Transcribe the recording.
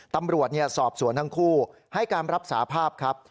ตำรวจสอบสวนทั้งคู่ให้การรับสาภาพครับ